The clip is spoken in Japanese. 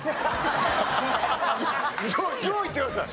上位いってください。